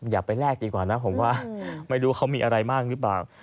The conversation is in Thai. อย่าไปแลกดีกว่านะผมว่าไม่รู้เขามีอะไรมากหรือเปล่า